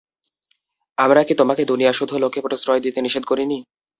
আমরা কি তোমাকে দুনিয়া শুদ্ধ লোককে আশ্রয় দিতে নিষেধ করিনি?